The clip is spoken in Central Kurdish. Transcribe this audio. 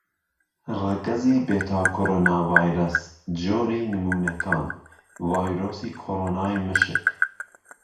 ڕەگەزی بێتاکۆڕوناڤایرەس: جۆری نموونەکان: ڤایرۆسی کۆڕۆنای مشک.